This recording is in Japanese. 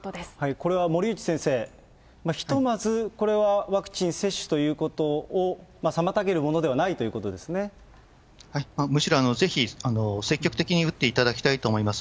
これは森内先生、ひとまずこれはワクチン接種ということを妨げるものではないといむしろぜひ、積極的に打っていただきたいと思います。